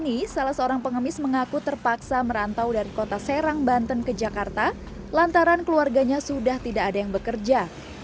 ini salah seorang pengemis mengaku terpaksa merantau dari kota serang banten ke jakarta lantaran keluarganya sudah tidak ada yang bekerja